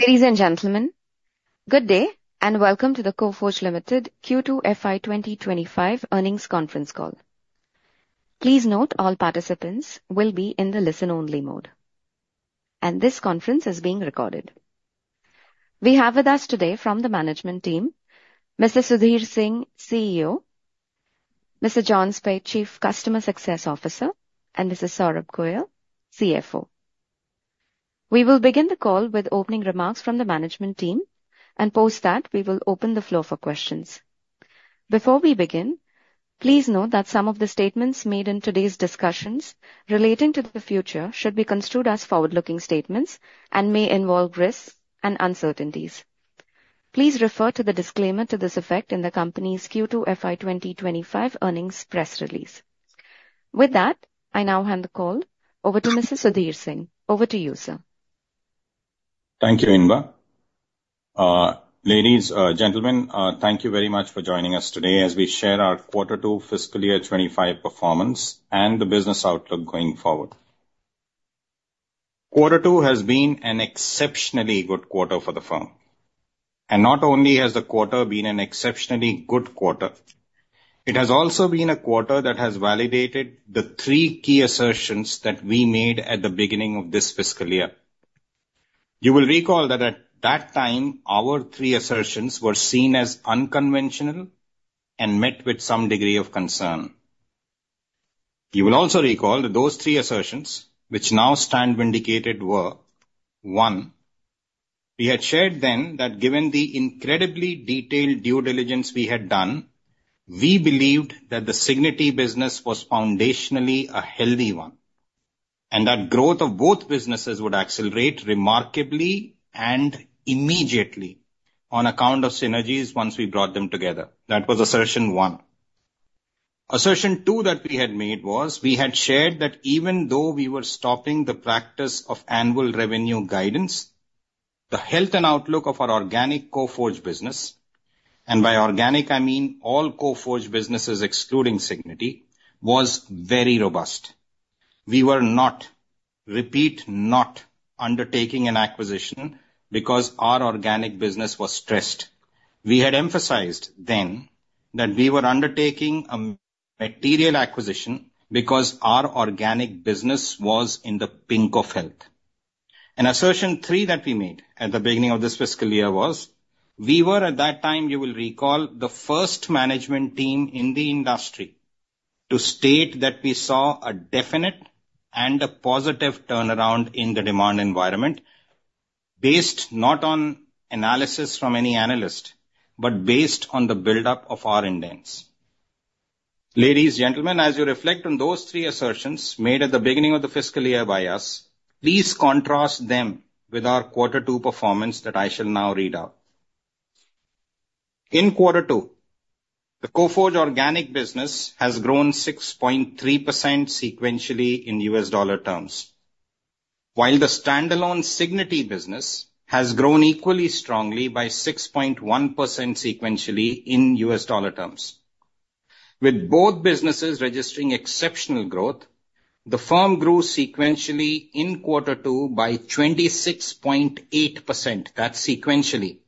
Ladies and gentlemen, good day, and welcome to the Coforge Limited Q2 FY 2025 Earnings Conference Call. Please note all participants will be in the listen-only mode, and this conference is being recorded. We have with us today from the management team, Mr. Sudhir Singh, CEO, Mr. John Speight, Chief Customer Success Officer, and Mr. Saurabh Goel, CFO. We will begin the call with opening remarks from the management team, and post that, we will open the floor for questions. Before we begin, please note that some of the statements made in today's discussions relating to the future should be construed as forward-looking statements and may involve risks and uncertainties. Please refer to the disclaimer to this effect in the company's Q2 FY 2025 earnings press release. With that, I now hand the call over to Mr. Sudhir Singh. Over to you, sir. Thank you, Inba. Ladies, gentlemen, thank you very much for joining us today as we share our Quarter Two Fiscal Year 2025 performance and the business outlook going forward. Quarter Two has been an exceptionally good quarter for the firm, and not only has the quarter been an exceptionally good quarter, it has also been a quarter that has validated the three key assertions that we made at the beginning of this fiscal year. You will recall that at that time, our three assertions were seen as unconventional and met with some degree of concern. You will also recall that those three assertions, which now stand vindicated, were: One, we had shared then that given the incredibly detailed due diligence we had done, we believed that the Cigniti business was foundationally a healthy one, and that growth of both businesses would accelerate remarkably and immediately on account of synergies once we brought them together. That was assertion one. Assertion two that we had made was we had shared that even though we were stopping the practice of annual revenue guidance, the health and outlook of our organic Coforge business, and by organic, I mean all Coforge businesses excluding Cigniti, was very robust. We were not, repeat, not undertaking an acquisition because our organic business was stressed. We had emphasized then that we were undertaking a material acquisition because our organic business was in the pink of health. Assertion three that we made at the beginning of this fiscal year was. We were at that time, you will recall, the first management team in the industry to state that we saw a definite and a positive turnaround in the demand environment, based not on analysis from any analyst, but based on the buildup of our indents. Ladies, gentlemen, as you reflect on those three assertions made at the beginning of the fiscal year by us, please contrast them with our Quarter Two performance that I shall now read out. In Quarter Two, the Coforge organic business has grown 6.3% sequentially in U.S. dollar terms, while the standalone Cigniti business has grown equally strongly by 6.1% sequentially in U.S. dollar terms. With both businesses registering exceptional growth, the firm grew sequentially in Quarter Two by 26.8%, that's sequentially,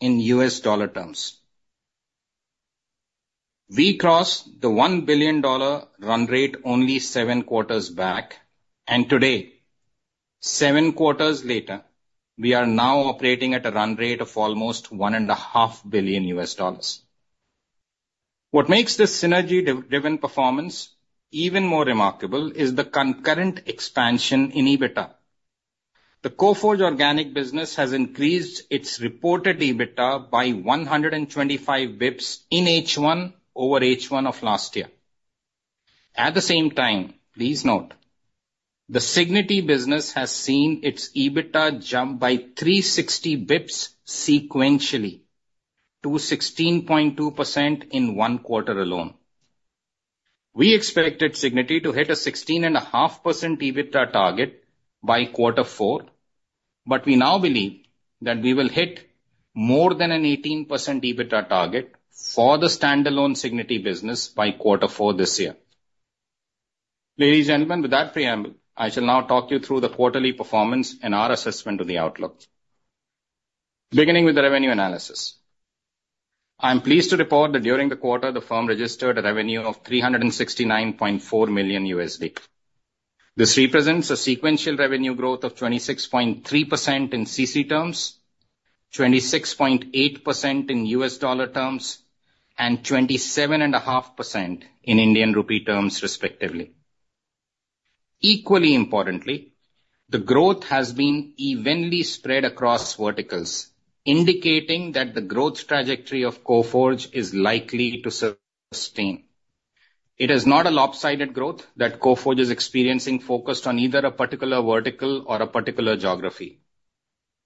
in U.S. dollar terms. We crossed the $1 billion run rate only seven quarters back, and today, seven quarters later, we are now operating at a run rate of almost $1.5 billion. What makes this synergy-driven performance even more remarkable is the concurrent expansion in EBITDA. The Coforge organic business has increased its reported EBITDA by 125 basis points in H1-over-H1 of last year. At the same time, please note, the Cigniti business has seen its EBITDA jump by 360 basis points sequentially to 16.2% in one quarter alone. We expected Cigniti to hit a 16.5% EBITDA target by Quarter Four, but we now believe that we will hit more than an 18% EBITDA target for the standalone Cigniti business by Quarter Four this year. Ladies, gentlemen, with that preamble, I shall now talk you through the quarterly performance and our assessment of the outlook. Beginning with the revenue analysis. I am pleased to report that during the quarter, the firm registered a revenue of $369.4 million. This represents a sequential revenue growth of 26.3% in CC terms, 26.8% in U.S. dollar terms, and 27.5% in Indian rupee terms, respectively. Equally importantly, the growth has been evenly spread across verticals, indicating that the growth trajectory of Coforge is likely to sustain. It is not a lopsided growth that Coforge is experiencing, focused on either a particular vertical or a particular geography.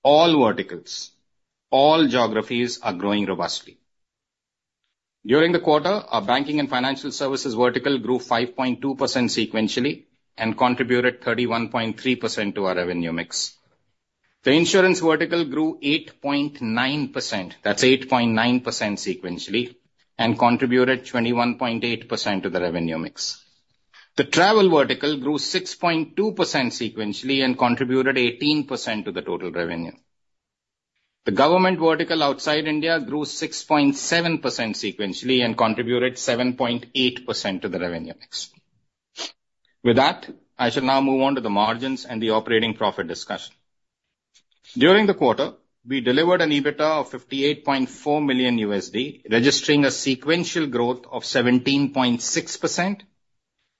All verticals, all geographies are growing robustly. During the quarter, our banking and financial services vertical grew 5.2% sequentially and contributed 31.3% to our revenue mix. The insurance vertical grew 8.9%, that's 8.9% sequentially, and contributed 21.8% to the revenue mix. The travel vertical grew 6.2% sequentially and contributed 18% to the total revenue. The government vertical outside India grew 6.7% sequentially and contributed 7.8% to the revenue mix. With that, I shall now move on to the margins and the operating profit discussion. During the quarter, we delivered an EBITDA of $58.4 million, registering a sequential growth of 17.6%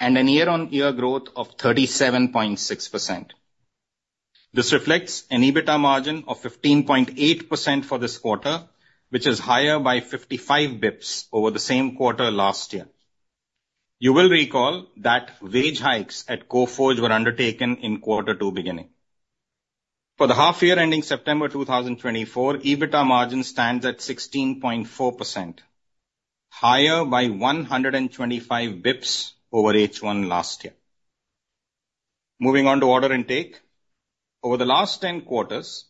and a year-on-year growth of 37.6%. This reflects an EBITDA margin of 15.8% for this quarter, which is higher by 55 basis points over the same quarter last year. You will recall that wage hikes at Coforge were undertaken in quarter two beginning. For the half year ending September 2024, EBITDA margin stands at 16.4%, higher by 125 basis points over H1 last year. Moving on to order intake. Over the last 10-quarters,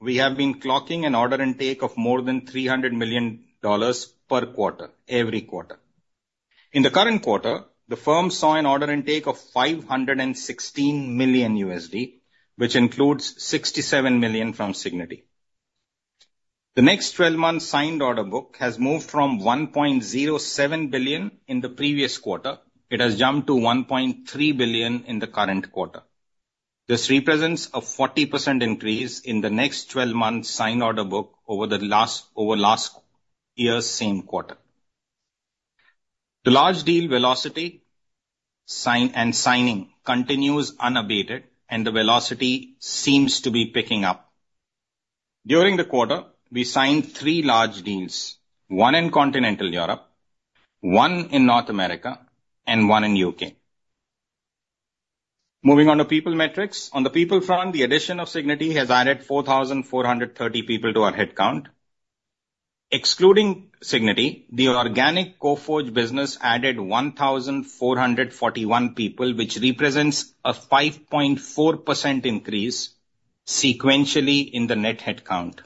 we have been clocking an order intake of more than $300 million per quarter, every quarter. In the current quarter, the firm saw an order intake of $516 million, which includes $67 million from Cigniti. The next twelve months signed order book has moved from $1.07 billion in the previous quarter, it has jumped to $1.3 billion in the current quarter. This represents a 40% increase in the next twelve months signed order book over last year's same quarter. The large deal velocity sign and signing continues unabated, and the velocity seems to be picking up. During the quarter, we signed three large deals, one in Continental Europe, one in North America, and one in U.K. Moving on to people metrics. On the people front, the addition of Cigniti has added 4,430 people to our headcount. Excluding Cigniti, the organic Coforge business added 1,441 people, which represents a 5.4% increase sequentially in the net headcount.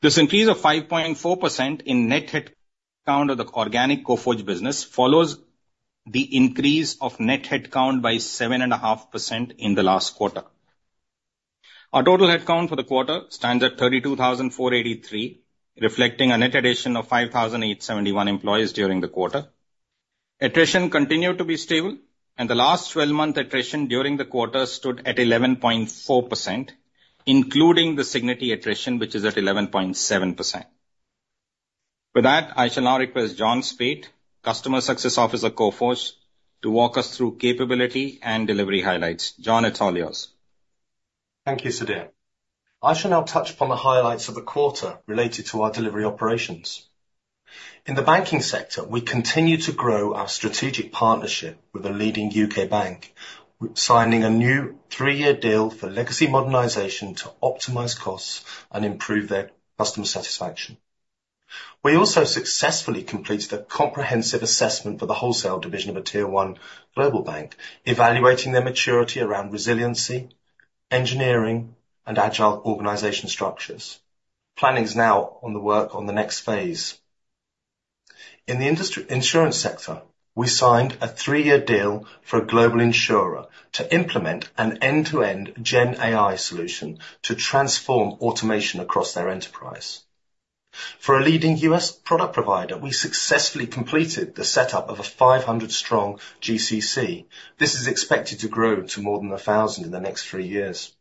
This increase of 5.4% in net headcount of the organic Coforge business follows the increase of net headcount by 7.5% in the last quarter. Our total headcount for the quarter stands at 32,483, reflecting a net addition of 5,871 employees during the quarter. Attrition continued to be stable, and the last twelve-month attrition during the quarter stood at 11.4%, including the Cigniti attrition, which is at 11.7%. With that, I shall now request John Speight, Customer Success Officer, Coforge, to walk us through capability and delivery highlights. John, it's all yours. Thank you, Sudhir. I shall now touch upon the highlights of the quarter related to our delivery operations. In the banking sector, we continue to grow our strategic partnership with a leading U.K. bank, signing a new three-year deal for legacy modernization to optimize costs and improve their customer satisfaction. We also successfully completed a comprehensive assessment for the wholesale division of a Tier 1 global bank, evaluating their maturity around resiliency, engineering, and agile organization structures. Planning is now on the work on the next phase. In the industry insurance sector, we signed a three-year deal for a global insurer to implement an end-to-end Gen AI solution to transform automation across their enterprise. For a leading U.S. product provider, we successfully completed the setup of a 500-strong GCC. This is expected to grow to more than 1,000 in the next three years.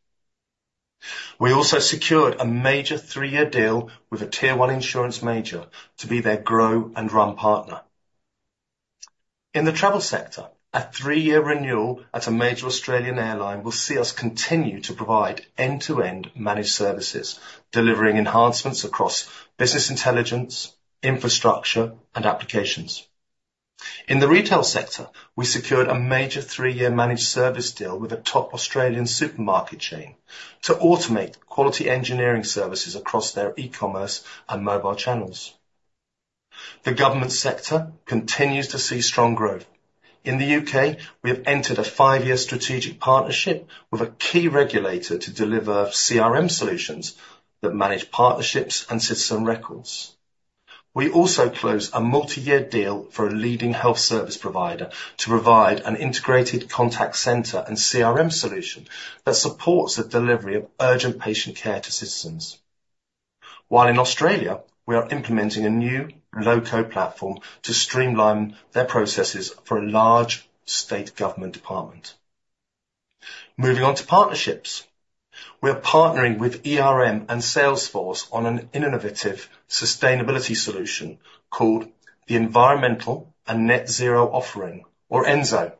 We also secured a major three-year deal with a Tier 1 insurance major to be their grow and run partner. In the travel sector, a three-year renewal at a major Australian airline will see us continue to provide end-to-end managed services, delivering enhancements across business intelligence, infrastructure, and applications. In the retail sector, we secured a major three-year managed service deal with a top Australian supermarket chain to automate quality engineering services across their e-commerce and mobile channels. The government sector continues to see strong growth. In the U.K., we have entered a five-year strategic partnership with a key regulator to deliver CRM solutions that manage partnerships and citizen records. We also closed a multi-year deal for a leading health service provider to provide an integrated contact center and CRM solution that supports the delivery of urgent patient care to citizens. While in Australia, we are implementing a new low-code platform to streamline their processes for a large state government department. Moving on to partnerships. We are partnering with ERM and Salesforce on an innovative sustainability solution called the Environmental and Net Zero Offering, or ENZO.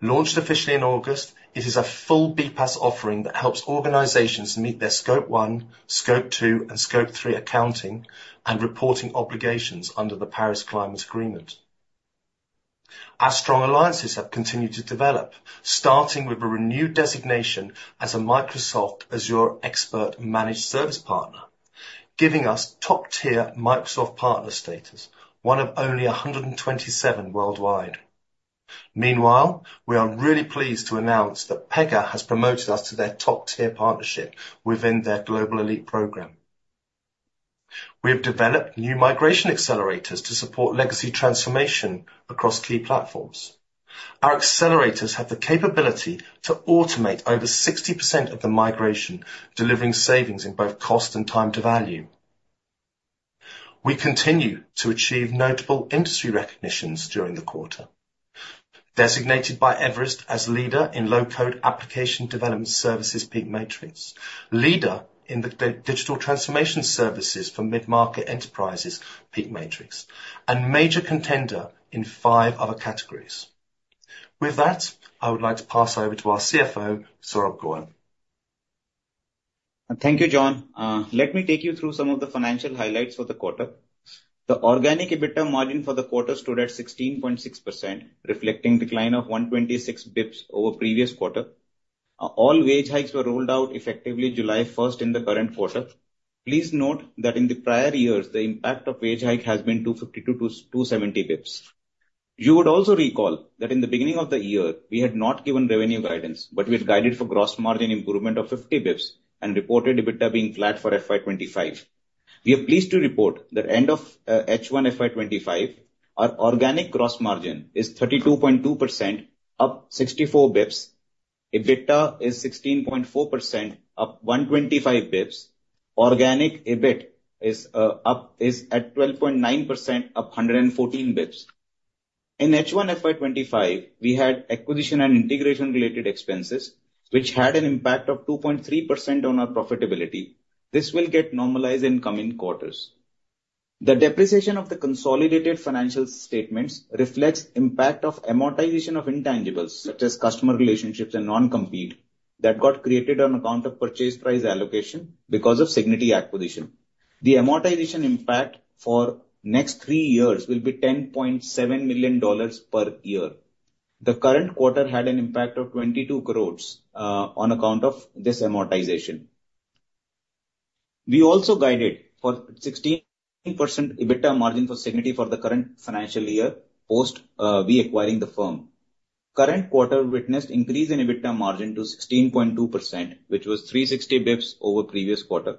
Launched officially in August, it is a full BPaaS offering that helps organizations meet their Scope 1, Scope 2, and Scope 3 accounting and reporting obligations under the Paris Climate Agreement. Our strong alliances have continued to develop, starting with a renewed designation as a Microsoft Azure expert managed service partner, giving us top-tier Microsoft partner status, one of only 127 worldwide. Meanwhile, we are really pleased to announce that Pega has promoted us to their top-tier partnership within their Global Elite program. We have developed new migration accelerators to support legacy transformation across key platforms. Our accelerators have the capability to automate over 60% of the migration, delivering savings in both cost and time to value. We continue to achieve notable industry recognitions during the quarter. Designated by Everest as Leader in Low-code Application Development Services PEAK Matrix, Leader in the Digital Transformation Services for Mid-market Enterprises PEAK Matrix, and Major Contender in five other categories. With that, I would like to pass over to our CFO, Saurabh Goel. Thank you, John. Let me take you through some of the financial highlights for the quarter. The organic EBITDA margin for the quarter stood at 16.6%, reflecting decline of 126 basis points over previous quarter. All wage hikes were rolled out effectively July first in the current quarter. Please note that in the prior years, the impact of wage hike has been 252 basis points to 270 basis points. You would also recall that in the beginning of the year, we had not given revenue guidance, but we had guided for gross margin improvement of 50 basis points and reported EBITDA being flat for FY 2025. We are pleased to report that end of H1 FY 2025, our organic gross margin is 32.2%, up 64 basis points. EBITDA is 16.4%, up 125 basis points. Organic EBIT is at 12.9%, up 114 basis points. In H1 FY 2025, we had acquisition and integration-related expenses, which had an impact of 2.3% on our profitability. This will get normalized in coming quarters. The depreciation of the consolidated financial statements reflects impact of amortization of intangibles, such as customer relationships and non-compete, that got created on account of purchase price allocation because of Cigniti acquisition. The amortization impact for next three years will be $10.7 million per year. The current quarter had an impact of 22 crores on account of this amortization. We also guided for 16% EBITDA margin for Cigniti for the current financial year, post we acquiring the firm. Current quarter witnessed increase in EBITDA margin to 16.2%, which was 360 basis points over previous quarter.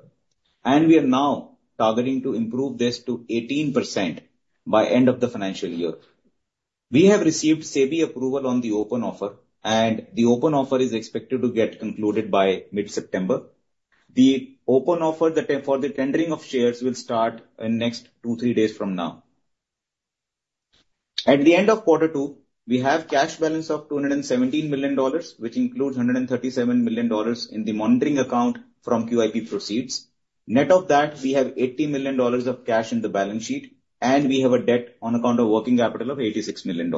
And we are now targeting to improve this to 18% by end of the financial year. We have received SEBI approval on the open offer, and the open offer is expected to get concluded by mid-September. The open offer, the tender for the tendering of shares, will start in next two, three days from now. At the end of quarter two, we have cash balance of $217 million, which includes $137 million in the monitoring account from QIP proceeds. Net of that, we have $80 million of cash in the balance sheet, and we have a debt on account of working capital of $86 million.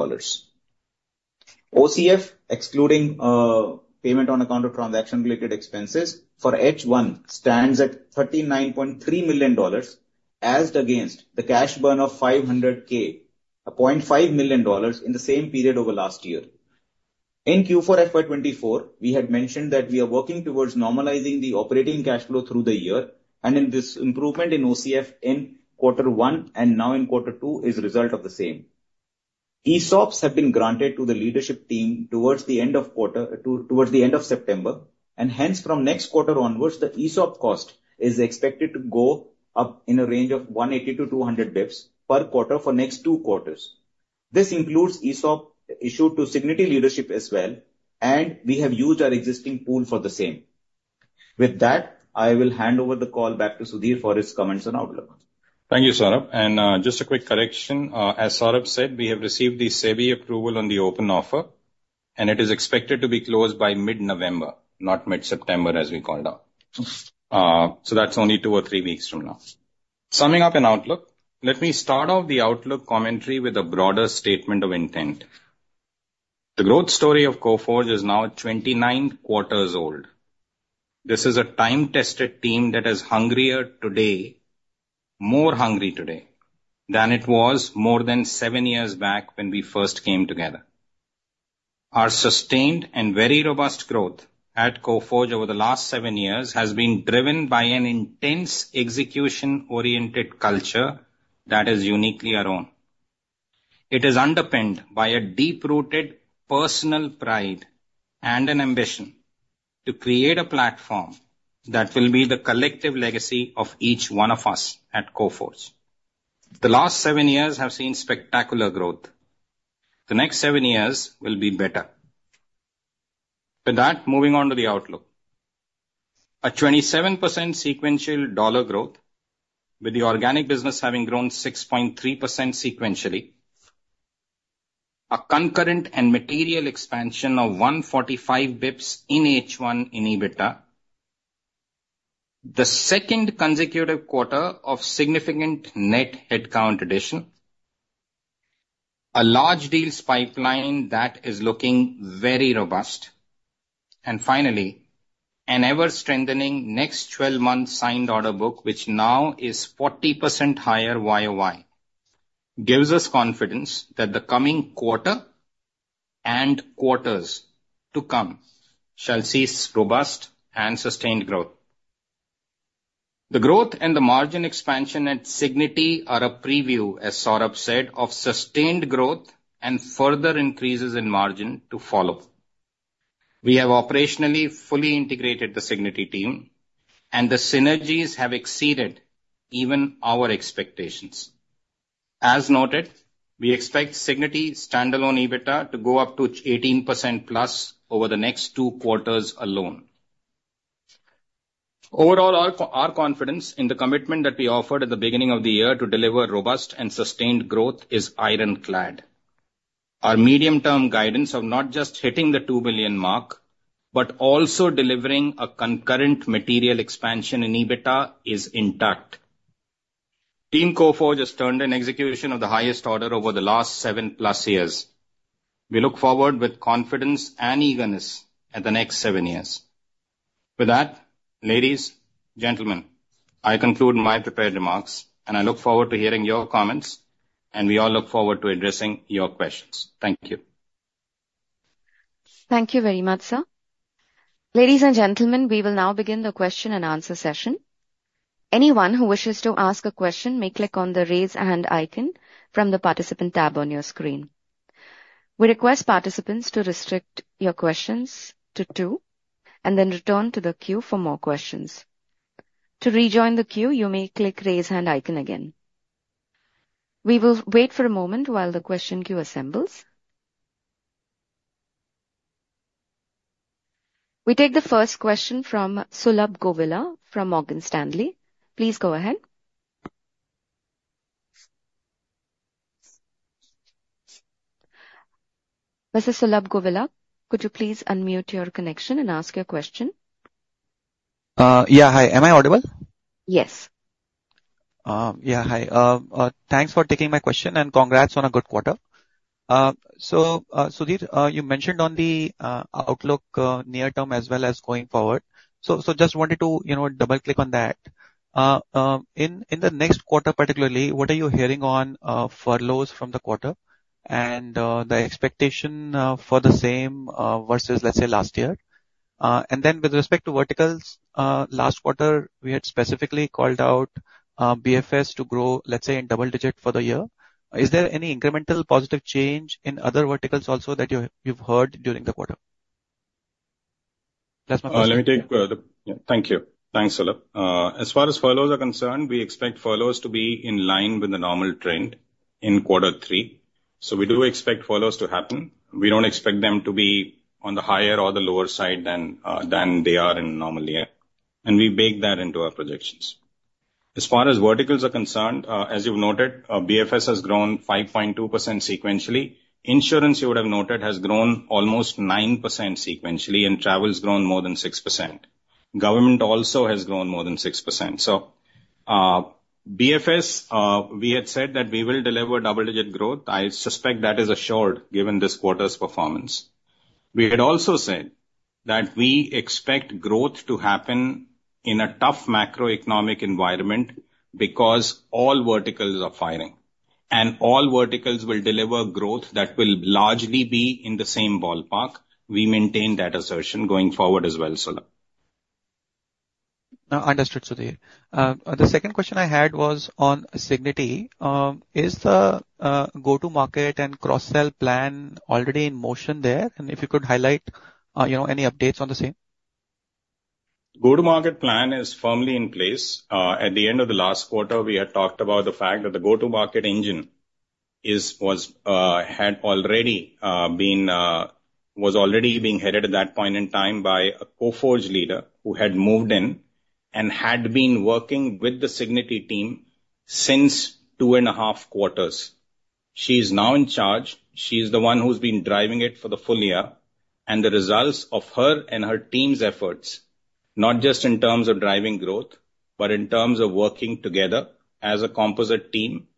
OCF, excluding payment on account of transaction-related expenses for H1, stands at $39.3 million, as against the cash burn of $0.5 million, in the same period over last year. In Q4 FY 2024, we had mentioned that we are working towards normalizing the operating cash flow through the year, and in this improvement in OCF in quarter one and now in quarter two is a result of the same. ESOPs have been granted to the Leadership team towards the end of September, and hence, from next quarter onwards, the ESOP cost is expected to go up in a range of 180 to 200 basis points per quarter for next two quarters. This includes ESOP issued to Cigniti Leadership as well, and we have used our existing pool for the same. With that, I will hand over the call back to Sudhir for his comments and outlook. Thank you, Saurabh. And, just a quick correction. As Saurabh said, we have received the SEBI approval on the open offer, and it is expected to be closed by mid-November, not mid-September, as we called out. So that's only two or three weeks from now. Summing up in outlook, let me start off the outlook commentary with a broader statement of intent. The growth story of Coforge is now 29-quarters old. This is a time-tested team that is hungrier today, more hungry today, than it was more than seven years back when we first came together. Our sustained and very robust growth at Coforge over the last seven years has been driven by an intense execution-oriented culture that is uniquely our own. It is underpinned by a deep-rooted personal pride and an ambition to create a platform that will be the collective legacy of each one of us at Coforge. The last seven years have seen spectacular growth. The next seven years will be better. With that, moving on to the outlook. A 27% sequential dollar growth, with the organic business having grown 6.3% sequentially, a concurrent and material expansion of 145 basis points in H1 in EBITDA. The second consecutive quarter of significant net headcount addition, a large deals pipeline that is looking very robust, and finally, an ever-strengthening next twelve-month signed order book, which now is 40% higher YoY, gives us confidence that the coming quarter, and quarters to come, shall see robust and sustained growth. The growth and the margin expansion at Cigniti are a preview, as Saurabh said, of sustained growth and further increases in margin to follow. We have operationally fully integrated the Cigniti team, and the synergies have exceeded even our expectations. As noted, we expect Cigniti standalone EBITDA to go up to 18% plus over the next two quarters alone. Overall, our confidence in the commitment that we offered at the beginning of the year to deliver robust and sustained growth is ironclad. Our medium-term guidance of not just hitting the $2 billion mark, but also delivering a concurrent material expansion in EBITDA is intact. Team Coforge has turned in execution of the highest order over the last seven-plus years. We look forward with confidence and eagerness at the next seven years. With that, ladies, gentlemen, I conclude my prepared remarks, and I look forward to hearing your comments, and we all look forward to addressing your questions. Thank you. Thank you very much, sir. Ladies and gentlemen, we will now begin the question-and-answer session. Anyone who wishes to ask a question may click on the Raise Hand icon from the Participant tab on your screen. We request participants to restrict your questions to two, and then return to the queue for more questions. To rejoin the queue, you may click Raise Hand icon again. We will wait for a moment while the question queue assembles. We take the first question from Sulabh Govila from Morgan Stanley. Please go ahead. Mr. Sulabh Govila, could you please unmute your connection and ask your question? Yeah. Hi, am I audible? Yes. Yeah, hi. Thanks for taking my question, and congrats on a good quarter. So, Sudhir, you mentioned on the outlook, near term as well as going forward. So just wanted to, you know, double-click on that. In the next quarter, particularly, what are you hearing on furloughs from the quarter and the expectation for the same versus, let's say, last year? And then with respect to verticals, last quarter, we had specifically called out BFS to grow, let's say, in double digit for the year. Is there any incremental positive change in other verticals also that you've heard during the quarter? That's my question. Thank you. Thanks, Sulabh. As far as furloughs are concerned, we expect furloughs to be in line with the normal trend in quarter three. So we do expect furloughs to happen. We don't expect them to be on the higher or the lower side than they are in a normal year, and we bake that into our projections. As far as verticals are concerned, as you've noted, BFS has grown 5.2% sequentially. Insurance, you would have noted, has grown almost 9% sequentially, and travel has grown more than 6%. Government also has grown more than 6%. So, BFS, we had said that we will deliver double-digit growth. I suspect that is assured, given this quarter's performance. We had also said that we expect growth to happen in a tough macroeconomic environment because all verticals are firing, and all verticals will deliver growth that will largely be in the same ballpark. We maintain that assertion going forward as well, Sulabh. Understood, Sudhir. The second question I had was on Cigniti. Is the go-to-market and cross-sell plan already in motion there? And if you could highlight, you know, any updates on the same. Go-to-market plan is firmly in place. At the end of the last quarter, we had talked about the fact that the go-to-market engine was already being headed at that point in time by a Coforge Leader who had moved in and had been working with the Cigniti team since two and a half quarters. She's now in charge. She's the one who's been driving it for the full year, and the results of her and her team's efforts, not just in terms of driving growth, but in terms of working together as a composite team,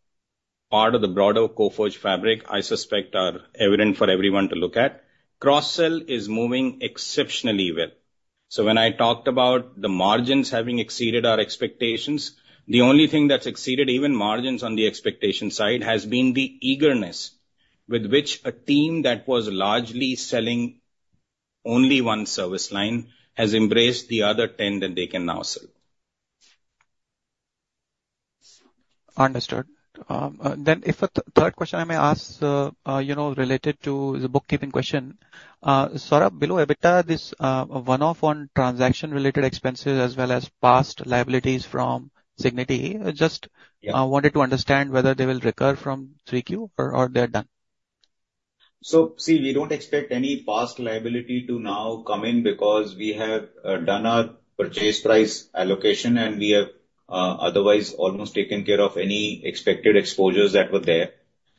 part of the broader Coforge fabric, I suspect, are evident for everyone to look at. Cross-sell is moving exceptionally well. So when I talked about the margins having exceeded our expectations, the only thing that's exceeded even margins on the expectation side has been the eagerness with which a team that was largely selling only one service line has embraced the other ten that they can now sell. Understood. Then if a third question I may ask, you know, related to the bookkeeping question. Saurabh, below EBITDA, this one-off on transaction-related expenses as well as past liabilities from Cigniti, just- Yeah. Wanted to understand whether they will recur from 3Q or, or they are done? So, see, we don't expect any past liability to now come in because we have done our purchase price allocation, and we have otherwise almost taken care of any expected exposures that were there.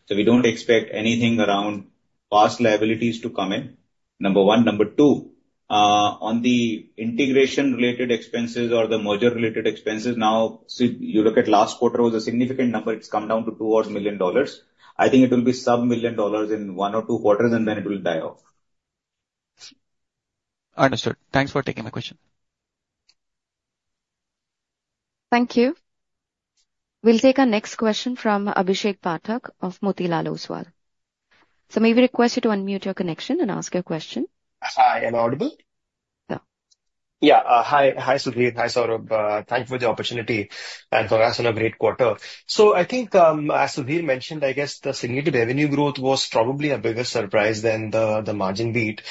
So we don't expect anything around past liabilities to come in, number one. Number two, on the integration-related expenses or the merger-related expenses now, so you look at last quarter, it was a significant number. It's come down to two- Yes. Million dollars. I think it will be some million dollars in one or two quarters, and then it will die off. Understood. Thanks for taking my question. Thank you. We'll take our next question from Abhishek Pathak of Motilal Oswal. So may we request you to unmute your connection and ask your question? Hi, am I audible? ... Yeah. Hi, hi, Sudhir. Hi, Saurabh. Thank you for the opportunity, and for us, on a great quarter. So I think, as Sudhir mentioned, I guess, the Cigniti revenue growth was probably a bigger surprise than the margin beat.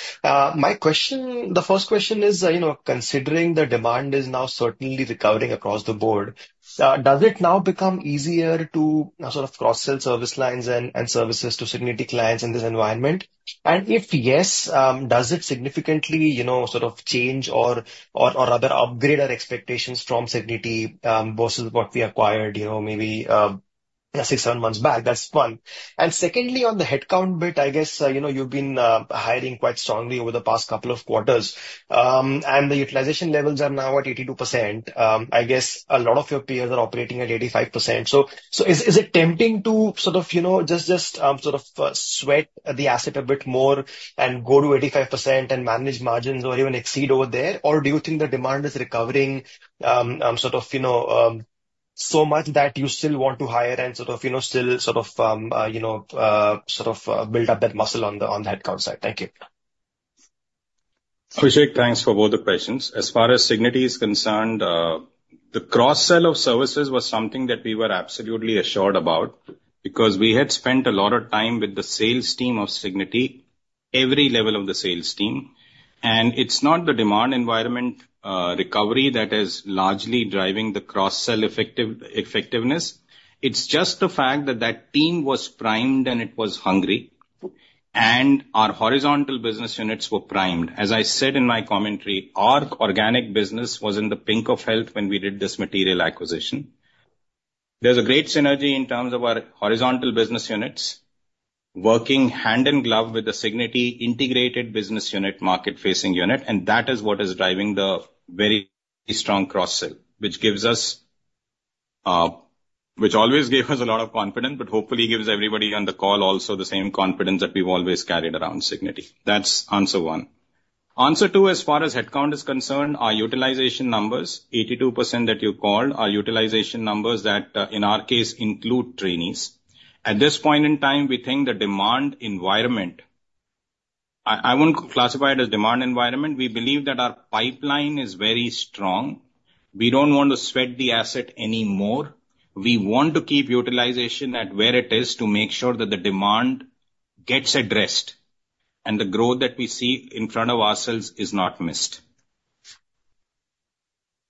My question - the first question is, you know, considering the demand is now certainly recovering across the board, does it now become easier to sort of cross-sell service lines and services to Cigniti clients in this environment? And if yes, does it significantly, you know, sort of change or rather upgrade our expectations from Cigniti, versus what we acquired, you know, maybe, six, seven months back? That's one. And secondly, on the headcount bit, I guess, you know, you've been hiring quite strongly over the past couple of quarters. The utilization levels are now at 82%. I guess a lot of your peers are operating at 85%. So, is it tempting to sort of, you know, just sort of sweat the asset a bit more and go to 85% and manage margins or even exceed over there? Or do you think the demand is recovering sort of, you know, so much that you still want to hire and sort of, you know, still sort of build up that muscle on the headcount side? Thank you. Abhishek, thanks for both the questions. As far as Cigniti is concerned, the cross-sell of services was something that we were absolutely assured about, because we had spent a lot of time with the sales team of Cigniti, every level of the sales team. And it's not the demand environment, recovery that is largely driving the cross-sell effective, effectiveness. It's just the fact that that team was primed, and it was hungry, and our horizontal business units were primed. As I said in my commentary, our organic business was in the pink of health when we did this material acquisition. There's a great synergy in terms of our horizontal business units, working hand in glove with the Cigniti integrated business unit, market-facing unit, and that is what is driving the very strong cross-sell, which gives us... Which always gave us a lot of confidence, but hopefully gives everybody on the call also the same confidence that we've always carried around Cigniti. That's answer one. Answer two, as far as headcount is concerned, our utilization numbers, 82% that you called, our utilization numbers that, in our case, include trainees. At this point in time, we think the demand environment. I wouldn't classify it as demand environment. We believe that our pipeline is very strong. We don't want to sweat the asset anymore. We want to keep utilization at where it is, to make sure that the demand gets addressed, and the growth that we see in front of ourselves is not missed.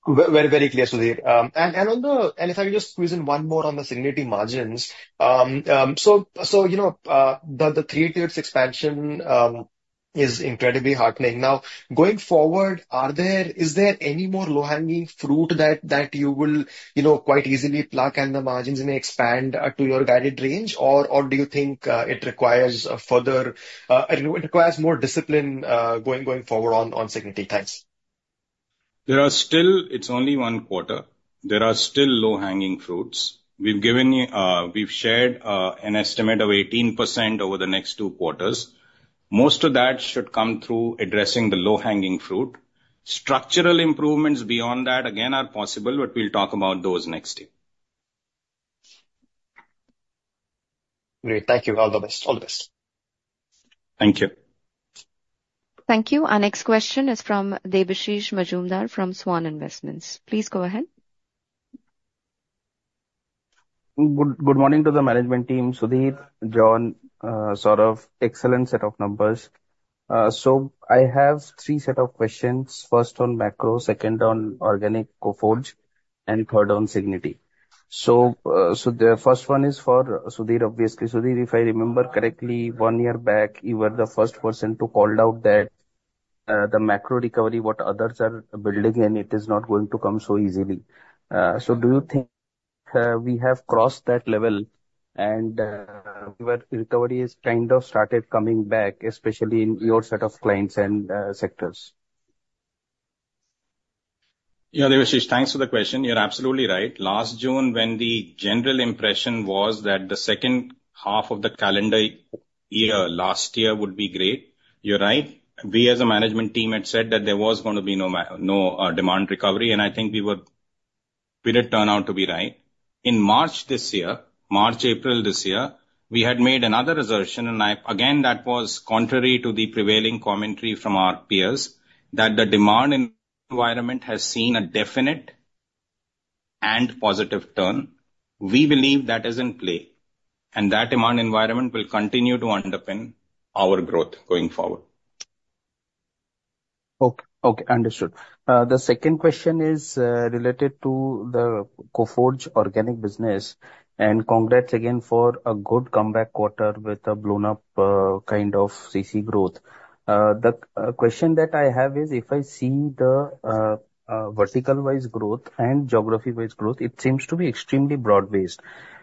Very, very clear, Sudhir. And on the. And if I can just squeeze in one more on the Cigniti margins. So, you know, the 30 basis points expansion is incredibly heartening. Now, going forward, is there any more low-hanging fruit that you will quite easily pluck, and the margins may expand to your guided range? Or do you think it requires more discipline going forward on Cigniti? Thanks. There are still... It's only one quarter. There are still low-hanging fruits. We've given you, we've shared, an estimate of 18% over the next two quarters. Most of that should come through addressing the low-hanging fruit. Structural improvements beyond that, again, are possible, but we'll talk about those next year. Great. Thank you. All the best. All the best. Thank you. Thank you. Our next question is from Debashish Mazumdar, from Swan Investments. Please go ahead. Good, good morning to the management team, Sudhir, John, Saurabh. Excellent set of numbers. So I have three set of questions, first on macro, second on organic Coforge, and third on Cigniti. So, so the first one is for Sudhir, obviously. Sudhir, if I remember correctly, one year back, you were the first person to call out that, the macro recovery, what others are building, and it is not going to come so easily. So do you think, we have crossed that level, and, where recovery has kind of started coming back, especially in your set of clients and, sectors? Yeah, Debashish, thanks for the question. You're absolutely right. Last June, when the general impression was that the second half of the calendar year, last year, would be great, you're right. We, as a management team, had said that there was gonna be no demand recovery, and I think we did turn out to be right. In March this year, March, April this year, we had made another assertion, and again, that was contrary to the prevailing commentary from our peers, that the demand environment has seen a definite and positive turn. We believe that is in play, and that demand environment will continue to underpin our growth going forward. Okay, okay, understood. The second question is related to the Coforge organic business. And congrats again for a good comeback quarter with a blown-up kind of CC growth. The question that I have is, if I see the vertical-wise growth and geography-wise growth, it seems to be extremely broad-based.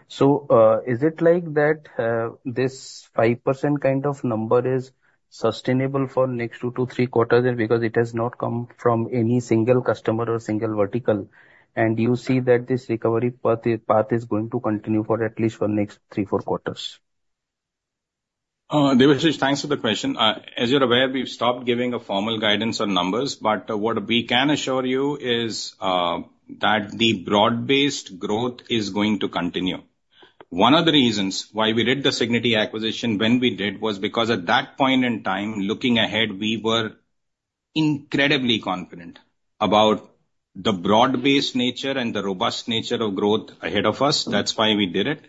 So, is it like that this 5% kind of number is sustainable for next two to three quarters? Because it has not come from any single customer or single vertical, and you see that this recovery path is going to continue for at least next three, four quarters. Debashish, thanks for the question. As you're aware, we've stopped giving a formal guidance on numbers, but what we can assure you is that the broad-based growth is going to continue. One of the reasons why we did the Cigniti acquisition when we did was because at that point in time, looking ahead, we were incredibly confident about the broad-based nature and the robust nature of growth ahead of us. That's why we did it.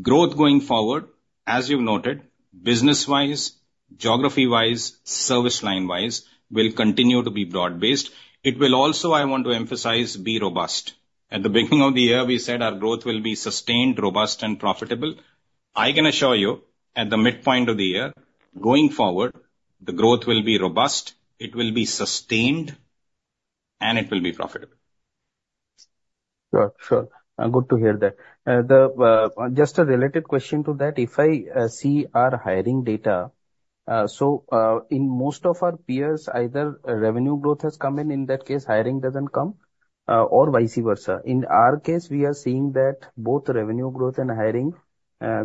Growth going forward, as you've noted, business-wise, geography-wise, service line-wise, will continue to be broad-based. It will also, I want to emphasize, be robust. At the beginning of the year, we said our growth will be sustained, robust and profitable. I can assure you, at the midpoint of the year, going forward, the growth will be robust, it will be sustained, and it will be profitable. Sure, sure. Good to hear that. The, just a related question to that: if I, see our hiring data, so, in most of our peers, either revenue growth has come in, in that case, hiring doesn't come, or vice versa. In our case, we are seeing that both revenue growth and hiring,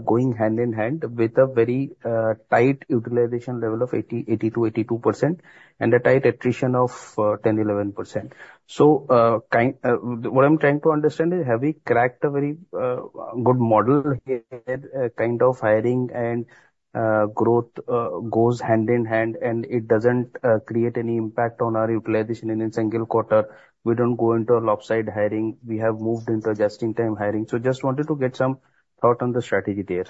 going hand in hand with a very, tight utilization level of 80%-82%, and a tight attrition of 10%-11%. So, what I'm trying to understand is, have we cracked a very, good model here, where kind of hiring and, growth, goes hand in hand, and it doesn't, create any impact on our utilization in a single quarter? We don't go into a lopsided hiring. We have moved into a just-in-time hiring. So just wanted to get some thought on the strategy there.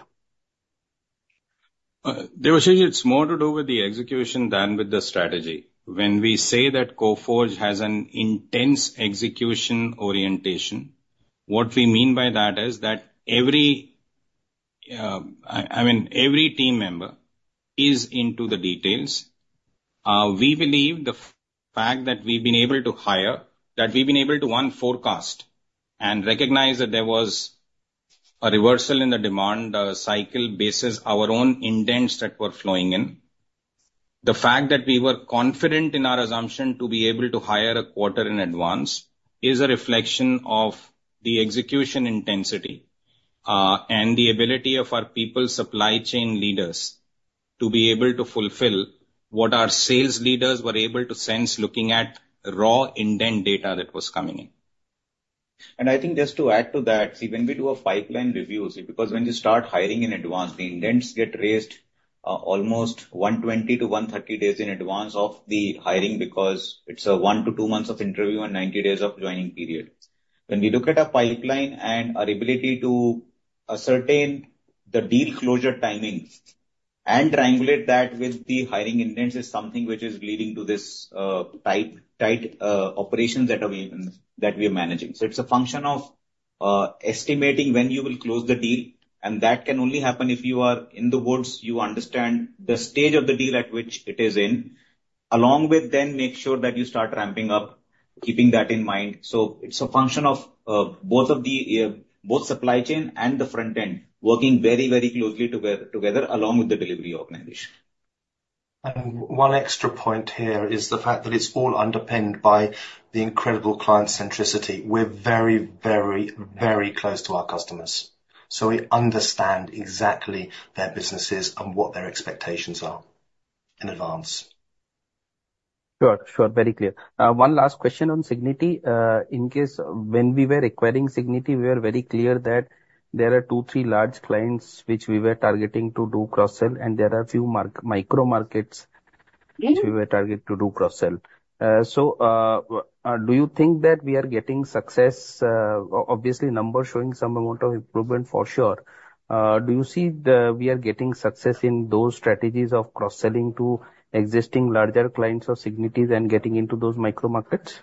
Debashish, it's more to do with the execution than with the strategy. When we say that Coforge has an intense execution orientation, what we mean by that is that I mean every team member is into the details. We believe the fact that we've been able to hire and forecast and recognize that there was a reversal in the demand cycle based on our own indents that were flowing in. The fact that we were confident in our assumption to be able to hire a quarter in advance is a reflection of the execution intensity and the ability of our people, supply chain Leaders, to be able to fulfill what our sales Leaders were able to sense, looking at raw indent data that was coming in. I think just to add to that, see, when we do a pipeline review, see, because when you start hiring in advance, the indents get raised almost 120 days to 130 days in advance of the hiring, because it's a one to two months of interview and 90 days of joining period. When we look at a pipeline and our ability to ascertain the deal closure timings and triangulate that with the hiring indents is something which is leading to this tight operations that we are managing. So it's a function of estimating when you will close the deal, and that can only happen if you are in the woods. You understand the stage of the deal at which it is in, along with then make sure that you start ramping up, keeping that in mind. So it's a function of both supply chain and the front end, working very, very closely together, along with the delivery organization. One extra point here is the fact that it's all underpinned by the incredible client centricity. We're very, very, very close to our customers, so we understand exactly their businesses and what their expectations are in advance. Sure, sure. Very clear. One last question on Cigniti. In case when we were acquiring Cigniti, we were very clear that there are two, three large clients which we were targeting to do cross-sell, and there are a few micro markets which we were targeted to do cross-sell. So, do you think that we are getting success? Obviously, numbers showing some amount of improvement for sure. Do you see the, we are getting success in those strategies of cross-selling to existing larger clients of Cigniti and getting into those micro markets?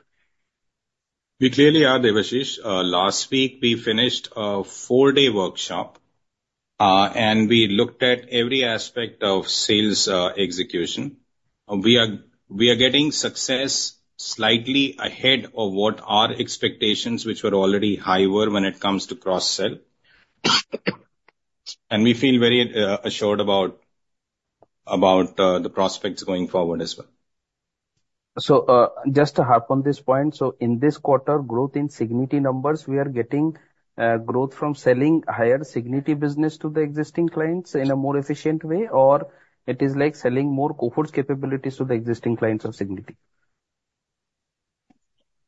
We clearly are, Debashish. Last week, we finished a four-day workshop, and we looked at every aspect of sales execution. We are getting success slightly ahead of what our expectations, which were already high, were when it comes to cross-sell. And we feel very assured about the prospects going forward as well. So, just to harp on this point: so in this quarter, growth in Cigniti numbers, we are getting, growth from selling higher Cigniti business to the existing clients in a more efficient way, or it is like selling more Coforge capabilities to the existing clients of Cigniti?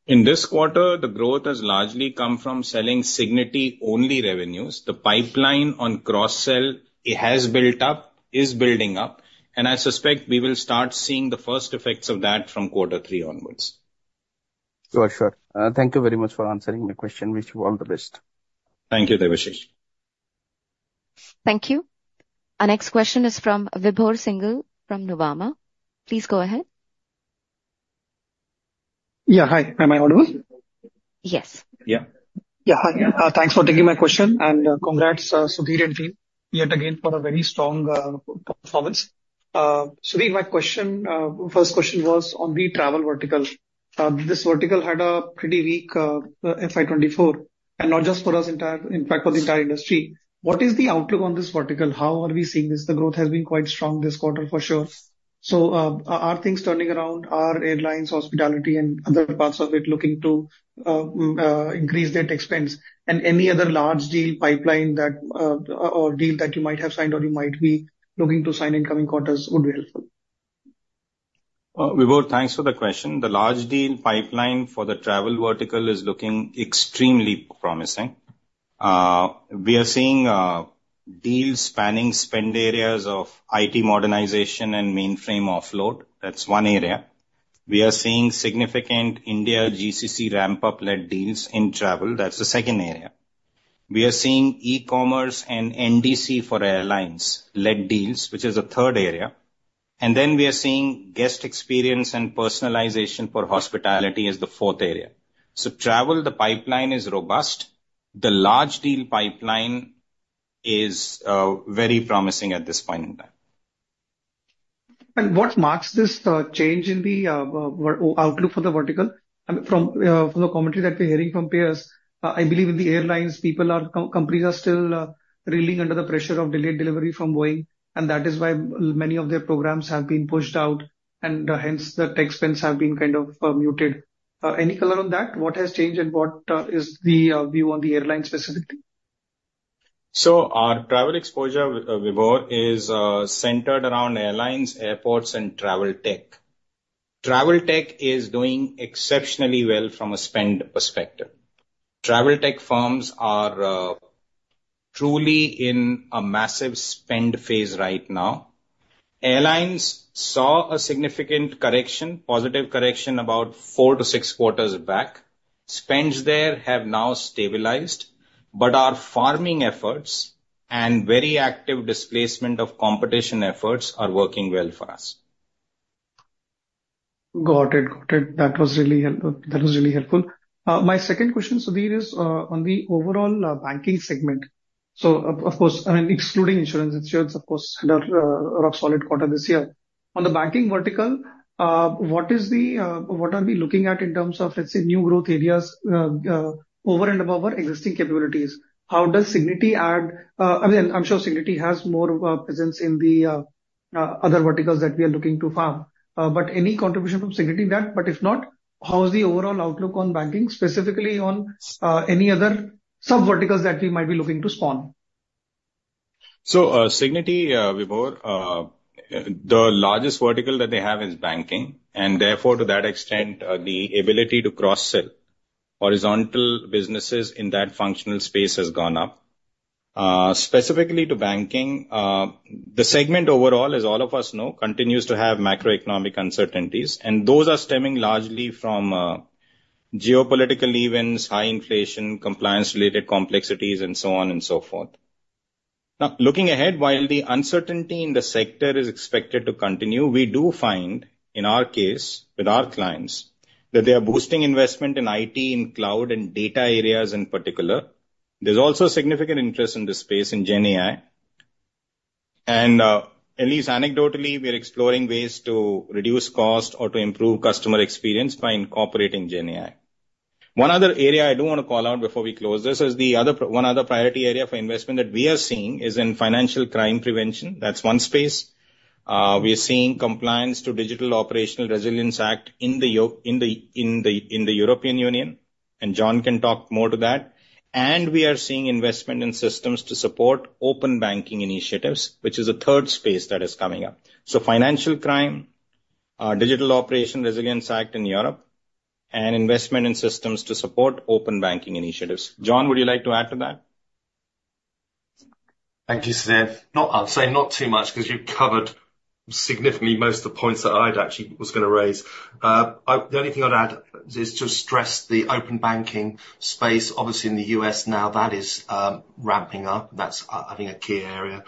In this quarter, the growth has largely come from selling Cigniti-only revenues. The pipeline on cross-sell, it has built up, is building up, and I suspect we will start seeing the first effects of that from quarter three onwards. Sure, sure. Thank you very much for answering my question. Wish you all the best. Thank you, Debashish. Thank you. Our next question is from Vibhor Singhal, from Nuvama. Please go ahead. Yeah, hi, am I audible? Yes. Yeah. Yeah. Thanks for taking my question, and, congrats, Sudhir and team, yet again, for a very strong performance. Sudhir, my question, first question was on the travel vertical. This vertical had a pretty weak FY 2024, and not just for us, in fact, for the entire industry. What is the outlook on this vertical? How are we seeing this? The growth has been quite strong this quarter, for sure. So, are things turning around? Are airlines, hospitality, and other parts of it looking to increase their expense? And any other large deal pipeline that, or deal that you might have signed or you might be looking to sign in coming quarters, would be helpful. Vibhor, thanks for the question. The large deal pipeline for the travel vertical is looking extremely promising. We are seeing deals spanning spend areas of IT modernization and mainframe offload. That's one area. We are seeing significant India GCC ramp-up-led deals in travel. That's the second area. We are seeing e-commerce and NDC for airlines-led deals, which is the third area. And then we are seeing guest experience and personalization for hospitality as the fourth area. So travel, the pipeline is robust. The large deal pipeline is very promising at this point in time. And what marks this change in the outlook for the vertical? And from the commentary that we're hearing from peers, I believe in the airlines, companies are still reeling under the pressure of delayed delivery from Boeing, and that is why many of their programs have been pushed out, and hence, the tech spends have been kind of muted. Any color on that? What has changed, and what is the view on the airlines specifically? So our travel exposure, Vibhor, is centered around airlines, airports, and travel tech. Travel tech is doing exceptionally well from a spend perspective. Travel tech firms are truly in a massive spend phase right now. Airlines saw a significant correction, positive correction, about four to six quarters back. Spends there have now stabilized, but our farming efforts and very active displacement of competition efforts are working well for us. Got it, got it. That was really helpful. That was really helpful. My second question, Sudhir, is on the overall banking segment. So of course, I mean, excluding insurance. Insurance, of course, had a rock solid quarter this year. On the banking vertical, what is the what are we looking at in terms of, let's say, new growth areas over and above our existing capabilities? How does Cigniti add... I mean, I'm sure Cigniti has more presence in the other verticals that we are looking to farm. But any contribution from Cigniti in that? But if not, how is the overall outlook on banking, specifically on any other sub-verticals that we might be looking to spawn? Cigniti, Vibhor, the largest vertical that they have is banking, and therefore, to that extent, the ability to cross-sell horizontal businesses in that functional space has gone up. Specifically to banking, the segment overall, as all of us know, continues to have macroeconomic uncertainties, and those are stemming largely from geopolitical events, high inflation, compliance-related complexities, and so on and so forth. Now, looking ahead, while the uncertainty in the sector is expected to continue, we do find, in our case, with our clients, that they are boosting investment in IT and cloud and data areas in particular. There's also significant interest in this space in GenAI. At least anecdotally, we are exploring ways to reduce cost or to improve customer experience by incorporating GenAI. One other area I do want to call out before we close this is one other priority area for investment that we are seeing is in financial crime prevention. That's one space. We are seeing compliance to Digital Operational Resilience Act in the European Union, and John can talk more to that. And we are seeing investment in systems to support open banking initiatives, which is a third space that is coming up. So financial crime, Digital Operational Resilience Act in Europe, and investment in systems to support open banking initiatives. John, would you like to add to that? Thank you, Sudhir. No, I'll say not too much, 'cause you've covered significantly most of the points that I'd actually was gonna raise. The only thing I'd add is to stress the open banking space. Obviously, in the U.S. now, that is ramping up. That's, I think, a key area.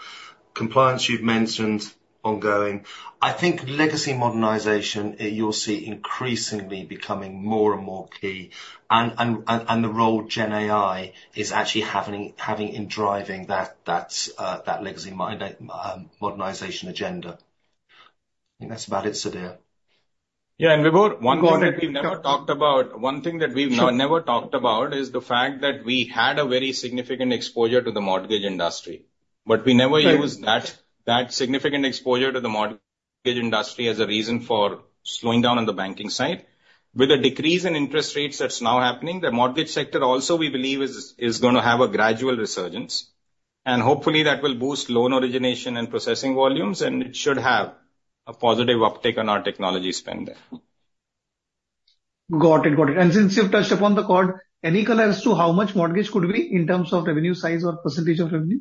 Compliance, you've mentioned, ongoing. I think legacy modernization, you'll see increasingly becoming more and more key, and the role GenAI is actually having in driving that legacy modernization agenda. I think that's about it, Sudhir. Yeah, and Vibhor, one thing that we've never talked about, one thing that we've never talked about is the fact that we had a very significant exposure to the mortgage industry. Right. But we never used that significant exposure to the mortgage industry as a reason for slowing down on the banking side. With the decrease in interest rates that's now happening, the mortgage sector also, we believe, is gonna have a gradual resurgence, and hopefully, that will boost loan origination and processing volumes, and it should have a positive uptick on our technology spend there. Got it, got it. And since you've touched upon the core, any color as to how much mortgage could be in terms of revenue size or percentage of revenue?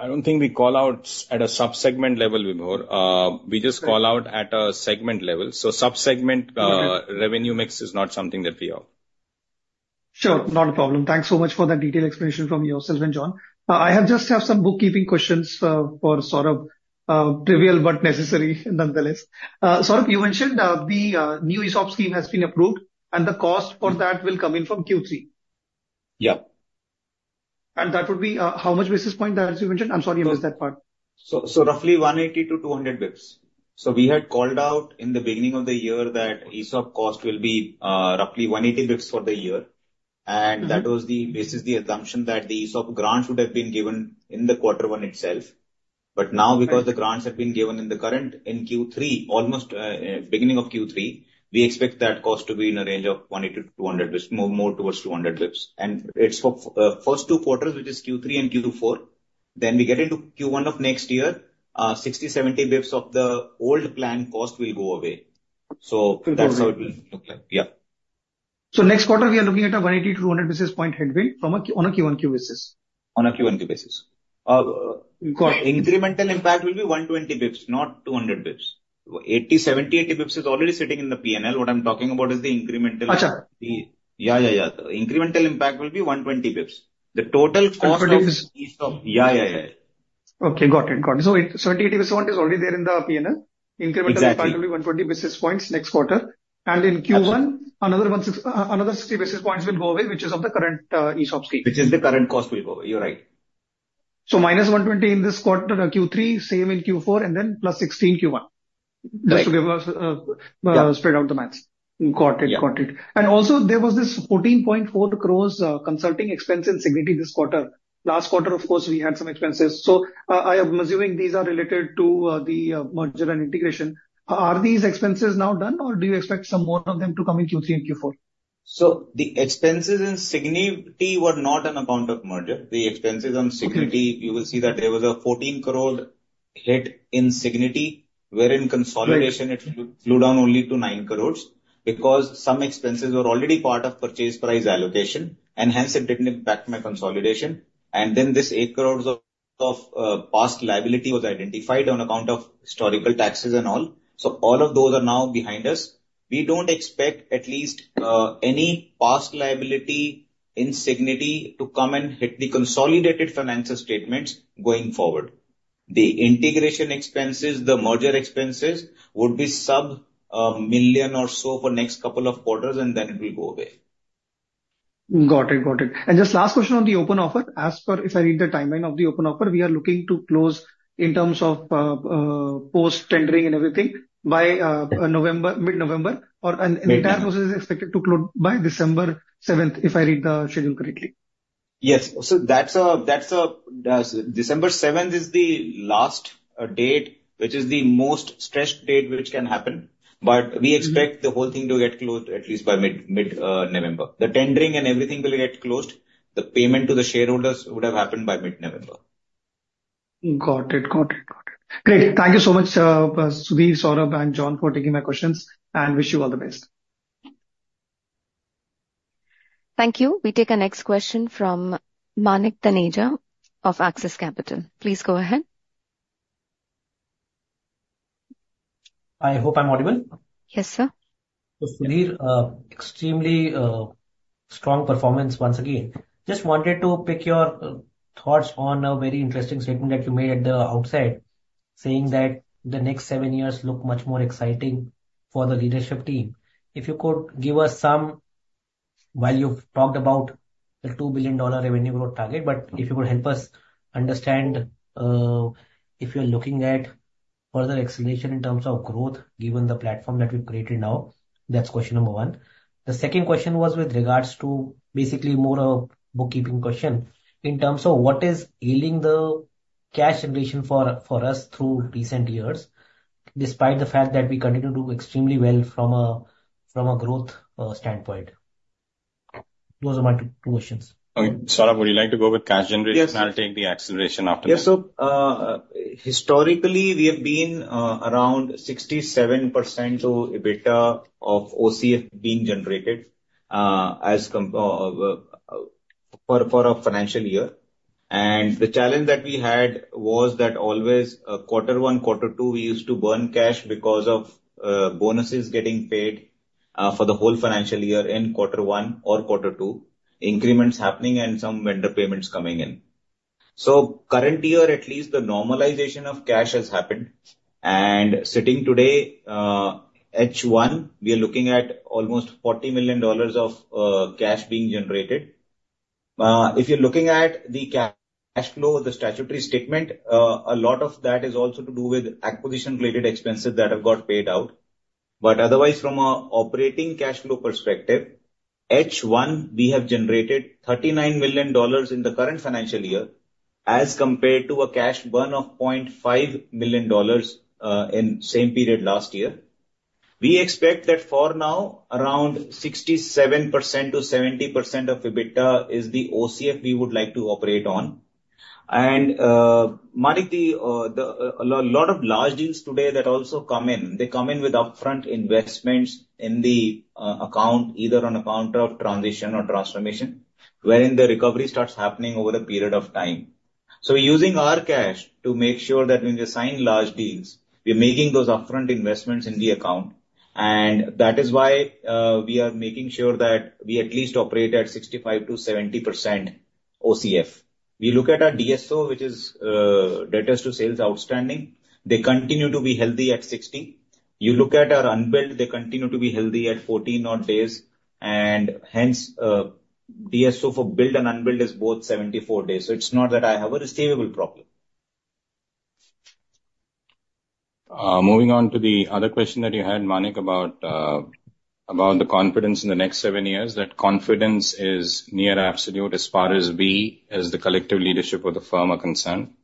I don't think we call out at a sub-segment level, Vibhor. We just call out at a segment level. So sub-segment, Revenue mix is not something that we have. Sure, not a problem. Thanks so much for that detailed explanation from yourself and John. I just have some bookkeeping questions for Saurabh, trivial but necessary nonetheless. Saurabh, you mentioned the new ESOP scheme has been approved, and the cost for that will come in from Q3. Yeah. That would be, how much basis point that you mentioned? I'm sorry I missed that part. Roughly 180-200 basis points. We had called out in the beginning of the year that ESOP cost will be roughly 180 basis points for the year. This is the assumption that the ESOP grants would have been given in the quarter one itself. But now, because the grants have been given in the current, in Q3, almost, beginning of Q3, we expect that cost to be in a range of 180 basis points-200 basis points, more towards 200 basis points. And it's for first two quarters, which is Q3 and Q4. Then we get into Q1 of next, 60 basis points-70 basis points of the old plan cost will go away... So that's how it will look like. Yeah. So next quarter, we are looking at a 180 basis points-200 basis point headwind from, on a Q1Q basis. On a Q1Q basis. Got it. Incremental impact will be one twenty basis points, not two hundred basis points. Eighty, seventy, eighty basis points is already sitting in the P&L. What I'm talking about is the incremental- Got you. Yeah, yeah, yeah. The incremental impact will be 120 basis points. The total cost of- 120 basis points. Yeah, yeah, yeah. Okay, got it. Got it. So 70, 80 basis points one is already there in the P&L. Exactly. Incremental will be 120 basis points next quarter. Absolutely. And in Q1, another sixty basis points will go away, which is of the current ESOP scheme. Which is, the current cost will go away. You're right. So -120 in this quarter, Q3, same in Q4, and then +16 Q1. Right. Just to give us, Yeah Spread out the math. Got it. Yeah. Got it. And also, there was this 14.4 crores consulting expense in Cigniti this quarter. Last quarter, of course, we had some expenses. So I am assuming these are related to the merger and integration. Are these expenses now done, or do you expect some more of them to come in Q3 and Q4? So the expenses in Cigniti were not on account of merger. The expenses on Cigniti- Okay. you will see that there was a 14 crore hit in Cigniti, wherein consolidation Right. It flew down only to nine crores because some expenses were already part of purchase price allocation, and hence, it didn't impact my consolidation. And then, this eight crores of past liability was identified on account of historical taxes and all. So all of those are now behind us. We don't expect at least any past liability in Cigniti to come and hit the consolidated financial statements going forward. The integration expenses, the merger expenses, would be sub million or so for next couple of quarters, and then it will go away. Got it. Got it. And just last question on the open offer. As per, if I read the timeline of the open offer, we are looking to close in terms of, post-tendering and everything by, November, mid-November or, and the entire process is expected to close by December seventh, if I read the schedule correctly. Yes. So December seventh is the last date, which is the most stretched date which can happen. But we expect the whole thing to get closed at least by mid-November. The tendering and everything will get closed. The payment to the shareholders would have happened by mid-November. Got it. Got it. Got it. Great. Thank you so much, Sudhir, Saurabh, and John, for taking my questions, and wish you all the best. Thank you. We take our next question from Manik Taneja of Axis Capital. Please go ahead. I hope I'm audible? Yes, sir. So Sudhir, extremely strong performance once again. Just wanted to pick your thoughts on a very interesting statement that you made at the outset, saying that the next seven years look much more exciting for the Leadership team. If you could give us some... While you've talked about the $2 billion revenue growth target, but if you could help us understand, if you're looking at further acceleration in terms of growth, given the platform that we've created now. That's question number one. The second question was with regards to basically more of a bookkeeping question, in terms of what is ailing the cash generation for us through recent years, despite the fact that we continue to do extremely well from a growth standpoint? Those are my two questions. Okay. Saurabh, would you like to go with cash generation? Yes. And I'll take the acceleration after that. Yes, so historically, we have been around 67% to EBITDA of OCF being generated as for a financial year. And the challenge that we had was that always quarter one, quarter two, we used to burn cash because of bonuses getting paid for the whole financial year in quarter one or quarter two, increments happening and some vendor payments coming in. So current year, at least the normalization of cash has happened, and sitting today H1, we are looking at almost $40 million of cash being generated. If you're looking at the cash flow, the statutory statement, a lot of that is also to do with acquisition-related expenses that have got paid out. But otherwise, from an operating cash flow perspective, H1, we have generated $39 million in the current financial year, as compared to a cash burn of $0.5 million in same period last year. We expect that for now, around 67%-70% of EBITDA is the OCF we would like to operate on. And, Manik, the, a lot of large deals today that also come in, they come in with upfront investments in the account, either on account of transition or transformation, wherein the recovery starts happening over a period of time. So we're using our cash to make sure that when we sign large deals, we are making those upfront investments in the account, and that is why, we are making sure that we at least operate at 65%-70% OCF. We look at our DSO, which is, Days Sales Outstanding. They continue to be healthy at sixty. You look at our Unbilled, they continue to be healthy at fourteen odd days, and hence, DSO for billed and Unbilled is both 74-days. So it's not that I have a receivable problem. Moving on to the other question that you had, Manik, about the confidence in the next seven years. That confidence is near absolute as far as we, as the collective Leadership of the firm, are concerned.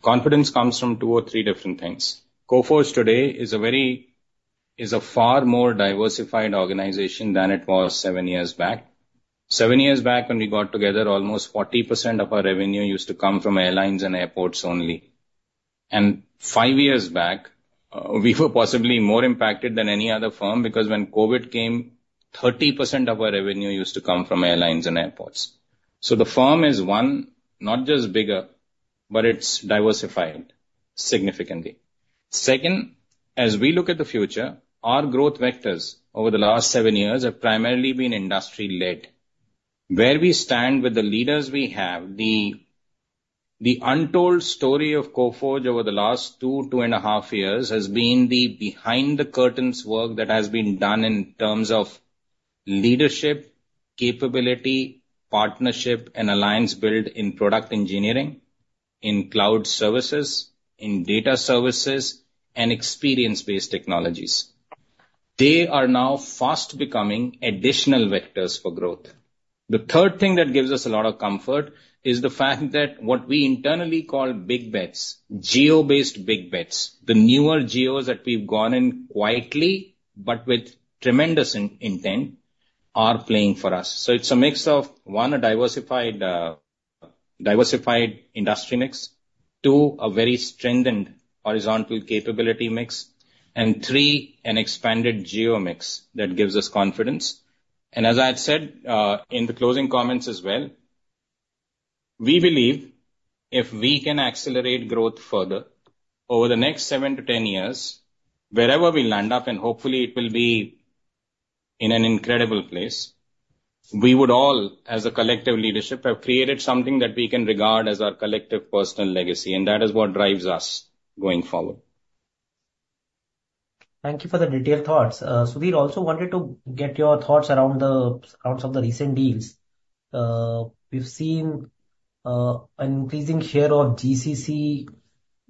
Confidence comes from two or three different things. Coforge today is a far more diversified organization than it was seven years back. Seven years back when we got together, almost 40% of our revenue used to come from airlines and airports only. And five years back, we were possibly more impacted than any other firm, because when COVID came, 30% of our revenue used to come from airlines and airports. So the firm is, one, not just bigger, but it's diversified significantly. Second, as we look at the future, our growth vectors over the last seven years have primarily been industry-led. Where we stand with the Leaders we have, the, the untold story of Coforge over the last two, two and a half years, has been the behind-the-curtains work that has been done in terms of Leadership, capability, partnership, and alliance build in product engineering, in cloud services, in data services, and experience-based technologies. They are now fast becoming additional vectors for growth. The third thing that gives us a lot of comfort is the fact that what we internally call big bets, geo-based big bets, the newer geos that we've gone in quietly, but with tremendous intent, are playing for us. So it's a mix of, one, a diversified industry mix; two, a very strengthened horizontal capability mix; and three, an expanded geo mix that gives us confidence. And as I had said, in the closing comments as well, we believe if we can accelerate growth further over the next seven to ten years, wherever we land up, and hopefully it will be in an incredible place, we would all, as a collective Leadership, have created something that we can regard as our collective personal legacy, and that is what drives us going forward. Thank you for the detailed thoughts. Sudhir, also wanted to get your thoughts around the recent deals. We've seen an increasing share of GCC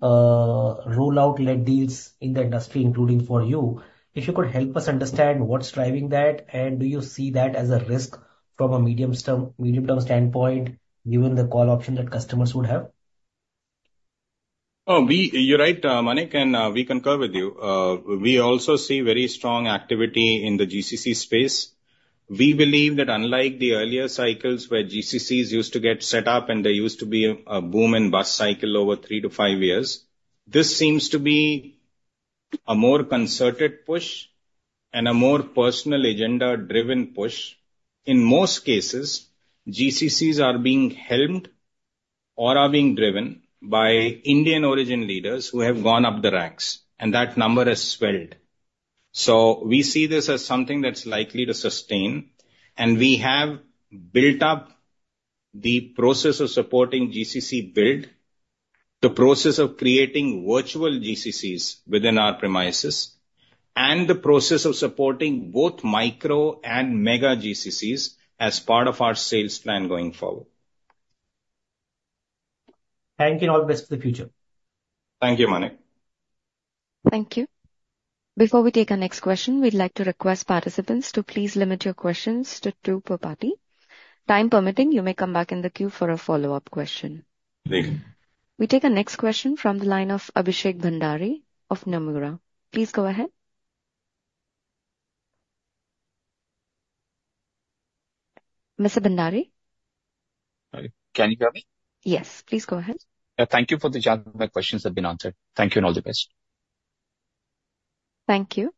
roll out lead deals in the industry, including for you. If you could help us understand what's driving that, and do you see that as a risk from a medium-term standpoint, given the call option that customers would have? Oh, we. You're right, Manik, and we concur with you. We also see very strong activity in the GCC space. We believe that unlike the earlier cycles, where GCCs used to get set up and there used to be a boom and bust cycle over three to five years, this seems to be a more concerted push and a more personal agenda-driven push. In most cases, GCCs are being helmed or are being driven by Indian origin Leaders who have gone up the ranks, and that number has swelled. So we see this as something that's likely to sustain, and we have built up the process of supporting GCC build, the process of creating virtual GCCs within our premises, and the process of supporting both micro and mega GCCs as part of our sales plan going forward. Thank you, and all the best for the future. Thank you, Manik. Thank you. Before we take our next question, we'd like to request participants to please limit your questions to two per party. Time permitting, you may come back in the queue for a follow-up question. Great. We take our next question from the line of Abhishek Bhandari of Nomura. Please go ahead. Mr. Bhandari? Can you hear me? Yes. Please go ahead. Thank you for the chance. My questions have been answered. Thank you, and all the best. Thank you.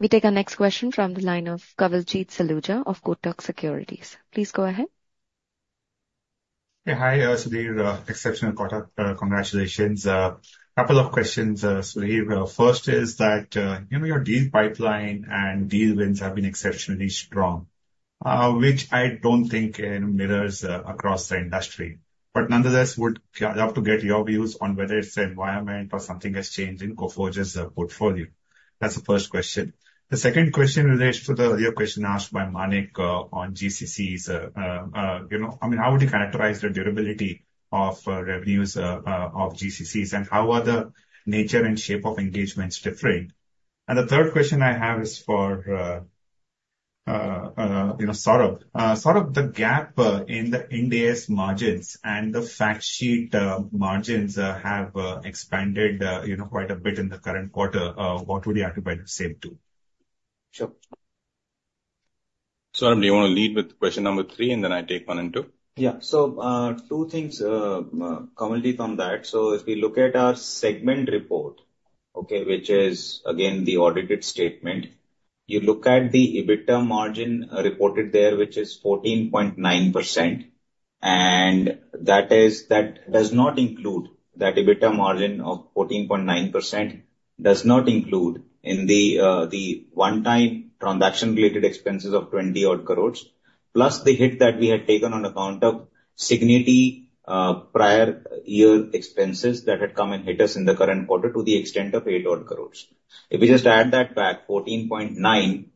We take our next question from the line of Kawaljeet Saluja of Kotak Securities. Please go ahead. Yeah, hi, Sudhir. Exceptional quarter. Congratulations. A couple of questions, Sudhir. First is that, you know, your deal pipeline and deal wins have been exceptionally strong, which I don't think mirrors across the industry, but nonetheless, would love to get your views on whether it's the environment or something has changed in Coforge's portfolio. That's the first question. The second question relates to the earlier question asked by Manik on GCCs. You know, I mean, how would you characterize the durability of revenues of GCCs, and how are the nature and shape of engagements different, and the third question I have is for, you know, Saurabh. Saurabh, the gap in the Ind AS margins and the Fact Sheet margins have expanded, you know, quite a bit in the current quarter. What would you attribute the same to? Sure. Saurabh, do you want to lead with question number three, and then I take one and two? Yeah. So, two things, commentary from that. So if we look at our segment report, okay, which is again, the audited statement, you look at the EBITDA margin reported there, which is 14.9%, and that is, that does not include. That EBITDA margin of 14.9% does not include the one-time transaction-related expenses of 20-odd crores, plus the hit that we had taken on account of Cigniti, prior year expenses that had come and hit us in the current quarter to the extent of 8-odd crores. If we just add that back, 14.9%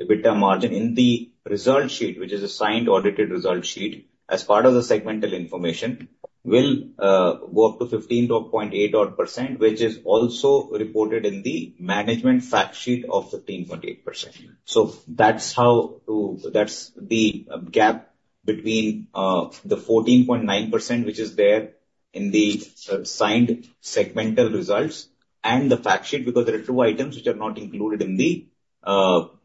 EBITDA margin in the result sheet, which is a signed, audited result sheet, as part of the segmental information, will go up to 15.8 odd%, which is also reported in the management Fact Sheet of 15.8%. So that's how that's the gap between the 14.9%, which is there in the signed segmental results and the Fact Sheet, because there are two items which are not included in the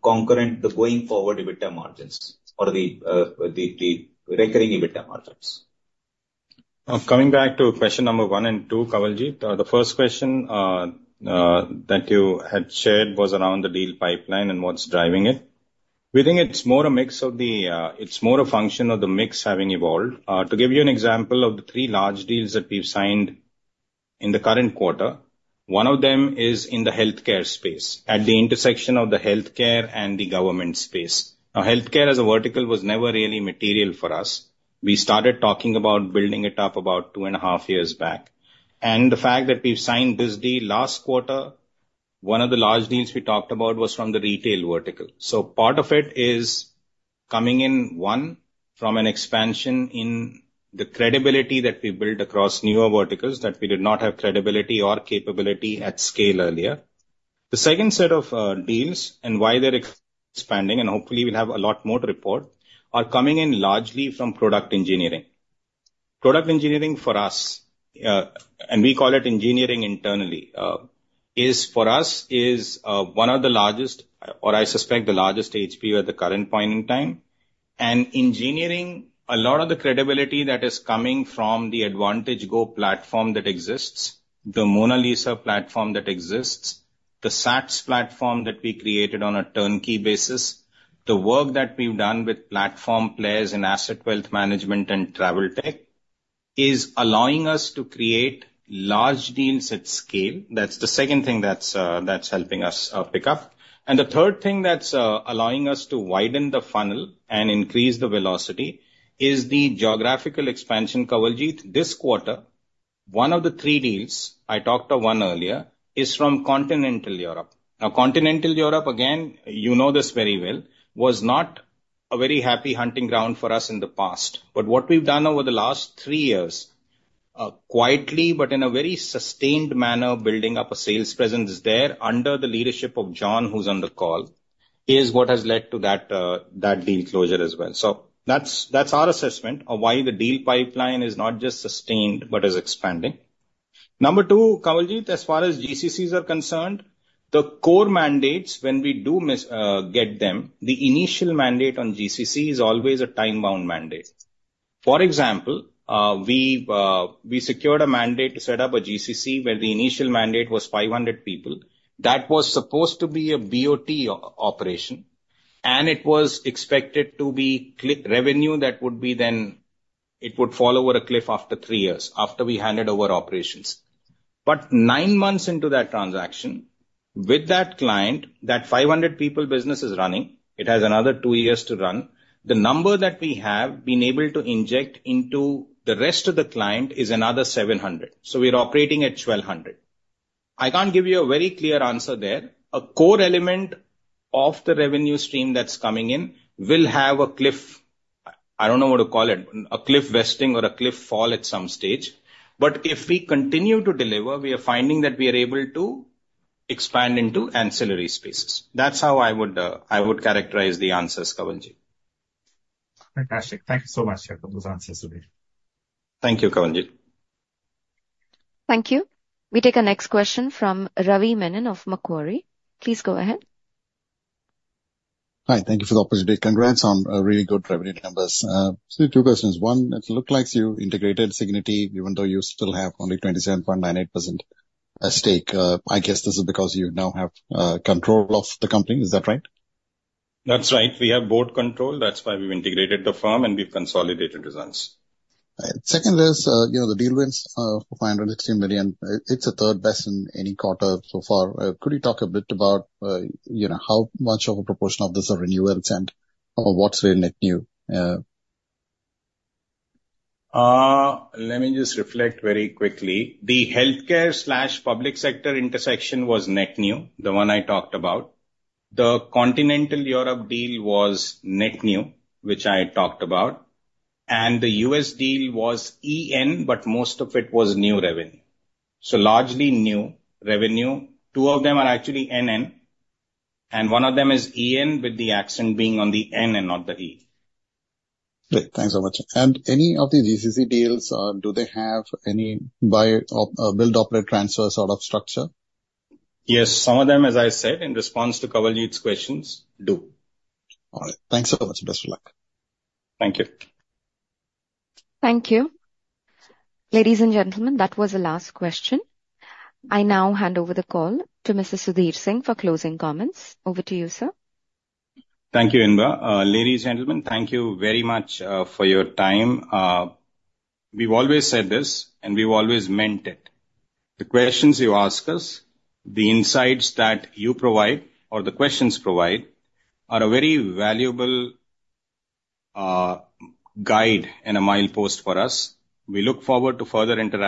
concurrent, the going forward EBITDA margins or the recurring EBITDA margins. Coming back to question number one and two, Kawaljeet. The first question that you had shared was around the deal pipeline and what's driving it. We think it's more a function of the mix having evolved. To give you an example of the three large deals that we've signed in the current quarter, one of them is in the healthcare space, at the intersection of the healthcare and the government space. Now, healthcare as a vertical was never really material for us. We started talking about building it up about two and a half years back, and the fact that we've signed this deal last quarter, one of the large deals we talked about was from the retail vertical. So part of it is coming in, one, from an expansion in the credibility that we built across newer verticals, that we did not have credibility or capability at scale earlier. The second set of deals and why they're expanding, and hopefully we'll have a lot more to report, are coming in largely from product engineering. Product engineering for us, and we call it engineering internally, is for us, is one of the largest, or I suspect the largest HBU at the current point in time. And engineering, a lot of the credibility that is coming from the AdvantageGo platform that exists, the MonaLisa platform that exists, the SATS platform that we created on a turnkey basis, the work that we've done with platform players in asset wealth management and travel tech, is allowing us to create large deals at scale. That's the second thing that's helping us pick up. And the third thing that's allowing us to widen the funnel and increase the velocity is the geographical expansion, Kawaljeet. This quarter, one of the three deals, I talked of one earlier, is from Continental Europe. Now, Continental Europe, again, you know this very well, was not a very happy hunting ground for us in the past. But what we've done over the last three years, quietly, but in a very sustained manner, building up a sales presence there under the Leadership of John, who's on the call, is what has led to that deal closure as well. So that's our assessment of why the deal pipeline is not just sustained but is expanding. Number two, Kawaljeet, as far as GCCs are concerned, the core mandates, when we do get them, the initial mandate on GCC is always a time-bound mandate. For example, we've secured a mandate to set up a GCC where the initial mandate was 500 people. That was supposed to be a BOT operation, and it was expected to be quick revenue that would be then. It would fall over a cliff after three years, after we handed over operations. But nine months into that transaction, with that client, that 500 people business is running. It has another two years to run. The number that we have been able to inject into the rest of the client is another 700, so we're operating at 1,200. I can't give you a very clear answer there. A core element of the revenue stream that's coming in will have a cliff. I don't know what to call it, a cliff vesting or a cliff fall at some stage. But if we continue to deliver, we are finding that we are able to expand into ancillary spaces. That's how I would characterize the answers, Kawaljeet. Fantastic. Thank you so much, sir, for those answers today. Thank you, Kawaljeet. Thank you. We take our next question from Ravi Menon of Macquarie. Please go ahead. Hi, thank you for the opportunity. Congrats on really good revenue numbers. So two questions. One, it looked like you integrated Cigniti, even though you still have only 27.98% at stake. I guess this is because you now have control of the company. Is that right? That's right. We have board control. That's why we've integrated the firm and we've consolidated results. Second is, you know, the deal wins, $560 million. It's the third best in any quarter so far. Could you talk a bit about, you know, how much of a proportion of this are renewals and, what's really net new? Let me just reflect very quickly. The healthcare slash public sector intersection was net new, the one I talked about. The Continental Europe deal was net new, which I talked about, and the U.S. deal was EN, but most of it was new revenue. So largely new revenue. Two of them are actually NN, and one of them is EN, with the accent being on the N and not the E. Great. Thanks so much. And any of the GCC deals, do they have any buy or, build, operate, transfer sort of structure? Yes, some of them, as I said in response to Kawaljeet's questions, do. All right. Thanks so much. Best of luck. Thank you. Thank you. Ladies and gentlemen, that was the last question. I now hand over the call to Mr. Sudhir Singh for closing comments. Over to you, sir. Thank you, Inba. Ladies and gentlemen, thank you very much for your time. We've always said this and we've always meant it, the questions you ask us, the insights that you provide or the questions provide, are a very valuable guide and a milepost for us. We look forward to further interacting-